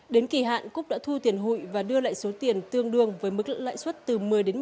đến kỳ hạn cúc đã thu tiền hụi và đưa lại số tiền tương đương với mức lượng lãi suất từ một mươi một mươi